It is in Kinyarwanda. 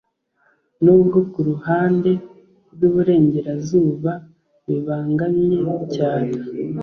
nubwo kuruhande rwiburengerazuba, bibangamye cyane